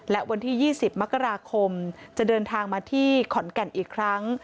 และวันที่๒๐มกราคมจะเดินทางมาที่ขอนแก่นอีกครั้ง